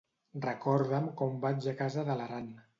Recorda'm com vaig a casa de l'Aran.